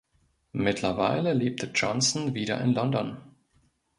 Mittlerweile lebt Johnson wieder in London.